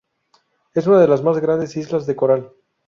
Es unas de las más grandes islas de coral.